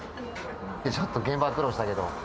ちょっと現場は苦労したけど。